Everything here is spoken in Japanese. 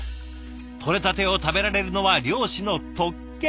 とれたてを食べられるのは漁師の特権！